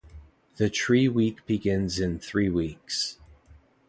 The tree week begins in three weeks.